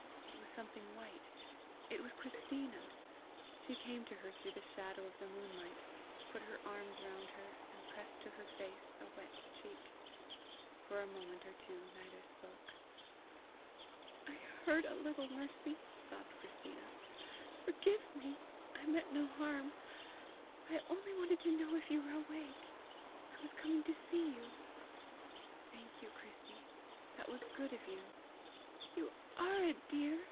It was something white! it was Christina! She came to her through the shadow of the moonlight, put her arms round her, and pressed to her face a wet cheek. For a moment or two neither spoke. "I heard a little, Mercy!" sobbed Christina. "Forgive me; I meant no harm; I only wanted to know if you were awake; I was coming to see you." "Thank you, Chrissy! That was good of you!" "You are a dear!